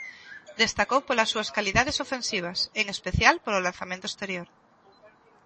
Destacou polas súas calidades ofensivas, en especial polo lanzamento exterior.